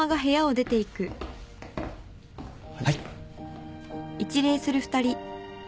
はい。